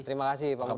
terima kasih pak muradi